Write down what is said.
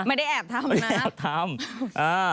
ไม่ได้แอบทำนะ